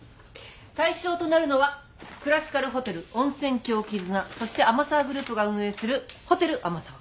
対象となるのはクラシカルホテル温泉郷絆そして天沢グループが運営するホテル天沢。